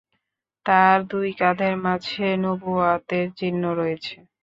তার দুই কাঁধের মাঝে নবুওয়াতের চিহ্ন রয়েছে।